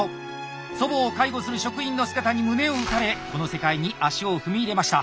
祖母を介護する職員の姿に胸を打たれこの世界に足を踏み入れました。